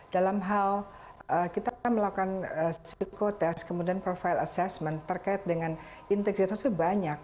dalam hal kita melakukan psikotest kemudian profile assessment terkait dengan integritas itu banyak